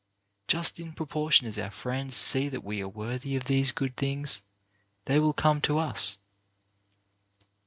Just in propor tion as our friends see that we are worthy of these good things, they will come to us.